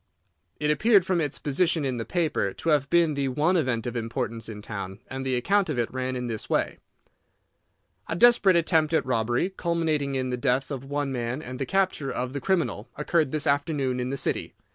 It appeared from its position in the paper to have been the one event of importance in town, and the account of it ran in this way: "A desperate attempt at robbery, culminating in the death of one man and the capture of the criminal, occurred this afternoon in the City.